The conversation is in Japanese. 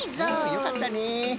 よかったね。